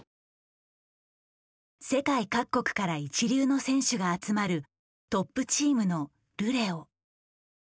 世界各国から一流の選手が集まるトップチームのルレオ。